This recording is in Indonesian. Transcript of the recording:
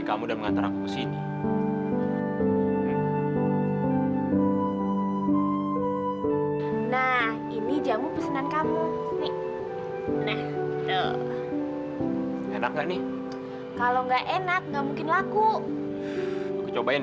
kamu udah terakhir aku makan